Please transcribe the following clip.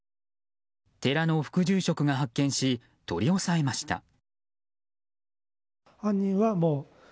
寺の副住職が発見し取り押さえました。